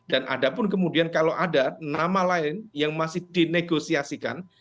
dan ada pun kemudian kalau ada nama lain yang masih dinegosiasikan